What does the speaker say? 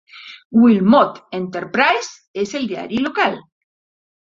Wilmot Enterprise és el diari local.